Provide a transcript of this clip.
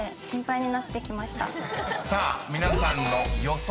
［さあ皆さんの予想